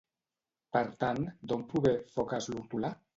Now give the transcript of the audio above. Per tant, d'on prové Focas l'Hortolà?